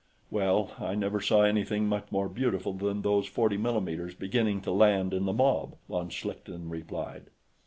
"Well, I never saw anything much more beautiful than those 40 mm's beginning to land in the mob," von Schlichten replied.